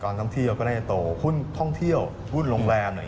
ท่องเที่ยวก็น่าจะโตหุ้นท่องเที่ยวหุ้นโรงแรมเนี่ย